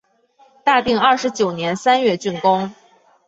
大定二十九年三月竣工。